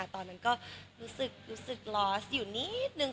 ตอนนั้นก็รู้สึกลอสอยู่นิดนึง